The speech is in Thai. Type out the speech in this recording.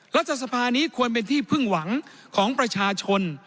รัฐสภานี้ควรเป็นที่พึ่งหวังของประชาชน